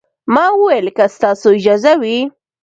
ما وويل که ستاسو اجازه وي.